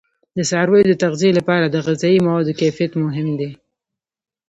د څارویو د تغذیه لپاره د غذایي موادو کیفیت مهم دی.